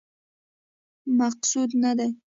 مقصود نه دی.